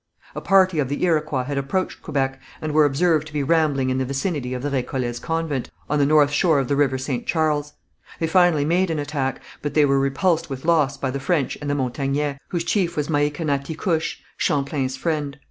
A party of the Iroquois had approached Quebec, and were observed to be rambling in the vicinity of the Récollets' convent, on the north shore of the River St. Charles. They finally made an attack, but they were repulsed with loss by the French and the Montagnais, whose chief was Mahicanaticouche, Champlain's friend.